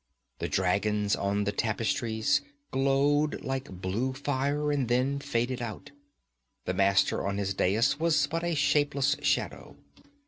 The dragons on the tapestries glowed like blue fire, and then faded out. The Master on his dais was but a shapeless shadow.